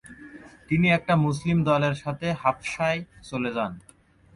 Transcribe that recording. তিনি একটা মুসলিম দলের সাথে হাবশায় চলে যান।